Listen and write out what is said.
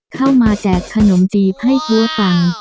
เข้ามาแจกขนมจีบให้ครัวตังค์